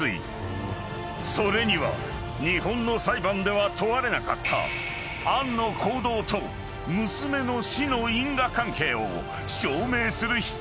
［それには日本の裁判では問われなかった杏の行動と娘の死の因果関係を証明する必要がある］